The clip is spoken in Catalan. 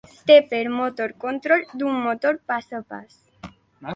Stepper Motor Control d'un motor pas a pas.